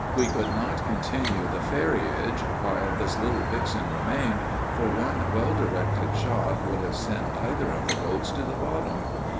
We could not continue the ferriage while this little vixen remained, for one well directed shot would have sent either of the boats to the bottom.